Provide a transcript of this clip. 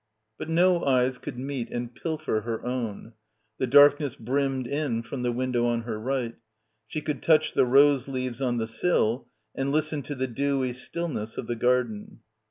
But no eyes could meet and pilfer her own. The darkness brimmed in from 36 "< BACKWATER the window on her right. She could touch the rose leaves on the sill and listen to the dewy still ness of the garden.